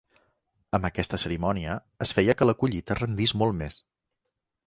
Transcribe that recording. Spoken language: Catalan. Amb aquesta cerimònia, es feia que la collita rendís molt més.